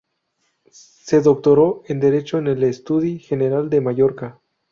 Se doctoró en derecho en el Estudi General de Mallorca.